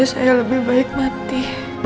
saya lebih baik mati